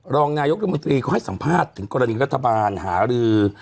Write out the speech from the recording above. รองนายกรัฐมนตรีก็ให้สัมภาษณ์ถึงกรณีรัฐบาลหารือ